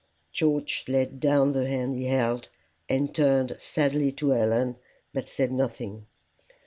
George laid down the hand he held, and turned sadly to Helen, but said nothing.